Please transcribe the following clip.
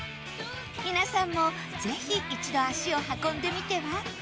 皆さんもぜひ一度足を運んでみては？